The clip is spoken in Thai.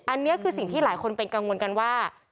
อันนี้คือสิ่งที่หลายคนเป็นกังวลกันว่า